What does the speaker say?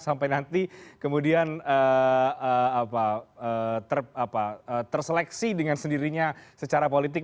sampai nanti kemudian terseleksi dengan sendirinya secara politik